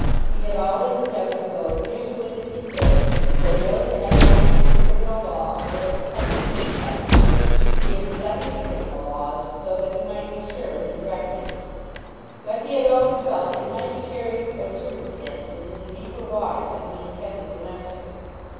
He had always endeavoured to go as near the wind as he could, to avoid the heavy hand of the criminal law of whatever country he inhabited. He had studied the criminal laws, so that he might be sure in his reckonings; but he had always felt that he might be carried by circumstances into deeper waters than he intended to enter.